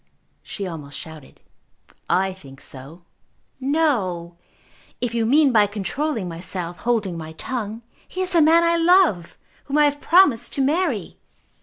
she almost shouted. "I think so." "No; if you mean by controlling myself, holding my tongue. He is the man I love, whom I have promised to marry."